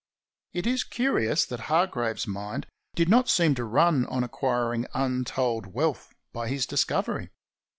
It is curious that Hargraves's mind did not seem to run on acquiring imtold wealth by his discovery.